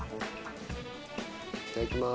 いただきます。